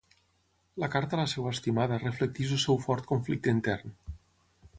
La carta a la seva estimada reflecteix el seu fort conflicte intern.